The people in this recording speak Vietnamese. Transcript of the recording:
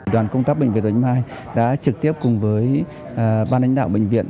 đoàn công tác bệnh viện bạch mai đã trực tiếp cùng với ban lãnh đạo bệnh viện